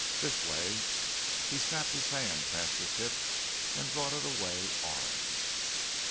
This way!" He snapped his hand past his hip and brought it away armed.